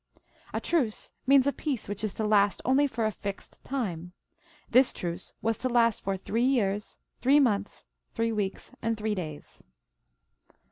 A truce means a peace which is to last only for a fixed time. This truce was to last for three years, three months, three weeks, and three days.